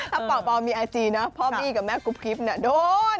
ถ้าเป่าปอมีไอจีนะพ่อบี้กับแม่กุ๊บกิ๊บเนี่ยโดน